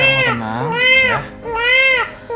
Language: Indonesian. bahkan saya tidak mau enka viniter